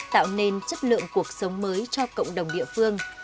tạo nên chất lượng cuộc sống mới cho cộng đồng địa phương